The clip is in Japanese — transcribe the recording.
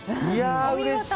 うれしい。